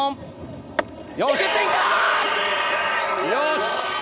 よし。